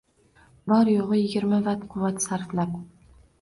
– bor-yo‘g‘i yigirma vatt quvvat sarflab